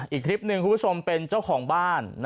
อีกคลิปหนึ่งคุณผู้ชมเป็นเจ้าของบ้าน